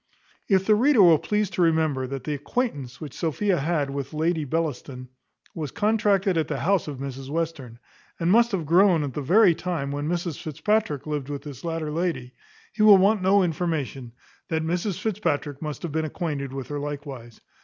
If the reader will please to remember that the acquaintance which Sophia had with Lady Bellaston was contracted at the house of Mrs Western, and must have grown at the very time when Mrs Fitzpatrick lived with this latter lady, he will want no information, that Mrs Fitzpatrick must have been acquainted with her likewise.